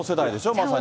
まさに。